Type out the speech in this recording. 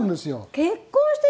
結婚して。